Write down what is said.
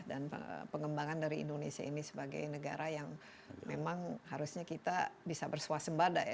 dan pengembangan dari indonesia ini sebagai negara yang memang harusnya kita bisa bersuasembada ya